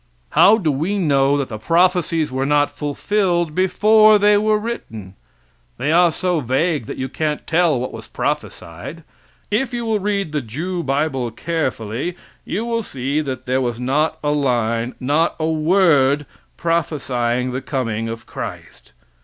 How do we know that the prophecies were not fulfilled before they were written? They are so vague that you can't tell what was prophesied. If you will read the Jew bible carefully, you will see that there was not a line, not a word, prophesying the coming of Christ.